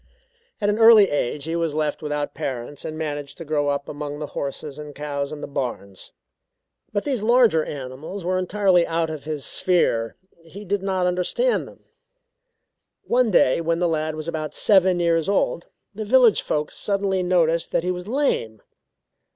At an early age he was left without parents and managed to grow up among the horses and cows in the barns. But these larger animals were entirely out of his sphere he did not understand them. One day when the lad was about seven years old, the village folks suddenly noticed that he was lame.